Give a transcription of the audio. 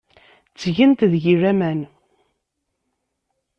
Ttgent deg-i laman.